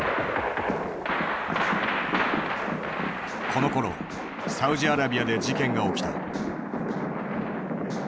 このころサウジアラビアで事件が起きた。